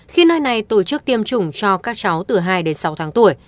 khi nơi này tổ chức tiêm chủng cho các cháu từ hai năm